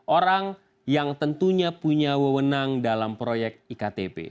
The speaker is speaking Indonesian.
orang yang tentunya punya wewenang dalam proyek iktp